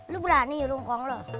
lu berani yulungkong lo